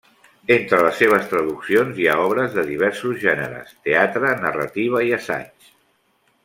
Entre les seves traduccions hi ha obres de diversos gèneres: teatre, narrativa i assaig.